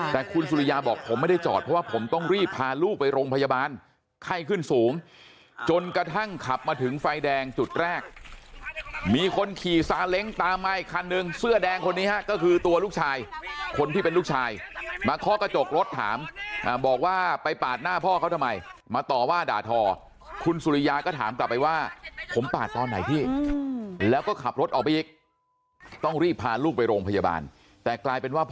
แต่คุณสุริยาบอกผมไม่ได้จอดเพราะว่าผมต้องรีบพาลูกไปโรงพยาบาลไข้ขึ้นสูงจนกระทั่งขับมาถึงไฟแดงจุดแรกมีคนขี่ซาเล้งตามใหม่คันนึงเสื้อแดงคนนี้ฮะก็คือตัวลูกชายคนที่เป็นลูกชายมาเคาะกระจกรถถามบอกว่าไปปาดหน้าพ่อเขาทำไมมาต่อว่าด่าทอคุณสุริยาก็ถามกลับไปว่าผมปาดตอนไหนดิแล้วก็ข